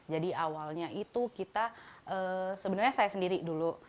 jadi awalnya itu kita sebenarnya saya sendiri dulu